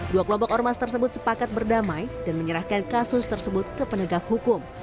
dua kelompok ormas tersebut sepakat berdamai dan menyerahkan kasus tersebut ke penegak hukum